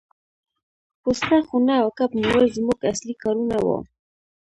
پوسته خونه او کب نیول زموږ اصلي کارونه وو